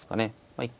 一回